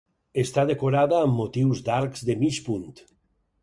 Està decorada amb motius d'arcs de mig punt.